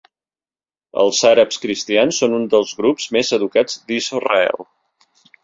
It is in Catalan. Els àrabs cristians són un dels grups més educats d'Israel.